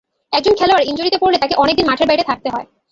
একজন খেলোয়াড় ইনজুরিতে পড়লে তাকে অনেক দিন মাঠের বাইরে থাকতে হয়।